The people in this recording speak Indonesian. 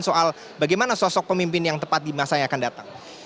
soal bagaimana sosok pemimpin yang tepat di masa yang akan datang